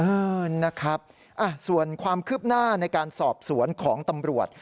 เออนะครับส่วนความคืบหน้าในการสอบสวนของตำรวจ